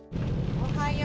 おはよう。